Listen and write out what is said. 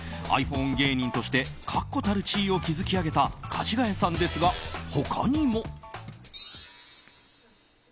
芸人として確固たる地位を築き上げたかじがやさんですが他にも。